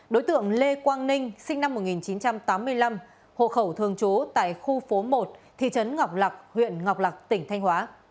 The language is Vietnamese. đối tượng lê quang ninh sinh năm một nghìn chín trăm tám mươi năm hộ khẩu thường trú tại khu phố một thị trấn ngọc lạc huyện ngọc lạc tỉnh thanh hóa